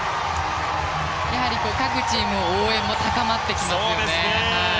やはり各チーム応援も高まってきますね。